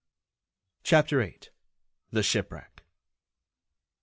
CHAPTER VIII. THE SHIPWRECK.